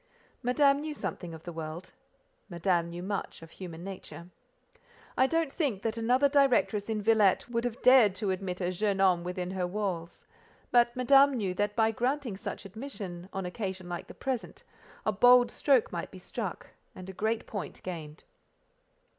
Madame knew something of the world; Madame knew much of human nature. I don't think that another directress in Villette would have dared to admit a "jeune homme" within her walls; but Madame knew that by granting such admission, on an occasion like the present, a bold stroke might be struck, and a great point gained.